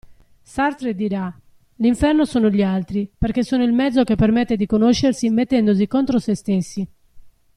Sartre dirà "l'inferno sono gli altri" perché sono il mezzo che permette di conoscersi mettendosi contro se stessi.